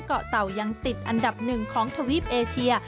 เกาะเต่ายังติดอันดับหนึ่งของทวีปเอเชีย